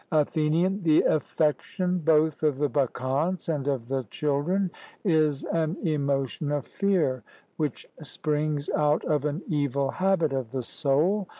ATHENIAN: The affection both of the Bacchantes and of the children is an emotion of fear, which springs out of an evil habit of the soul.